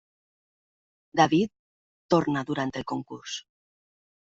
David torna durant el concurs.